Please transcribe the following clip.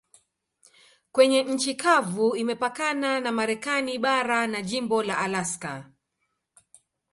Kwenye nchi kavu imepakana na Marekani bara na jimbo la Alaska.